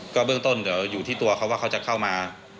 ก็เบื้องต้นเดี๋ยวอยู่ที่ตัวเขาว่าเขาจะเข้ามา